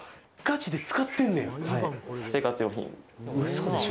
嘘でしょ？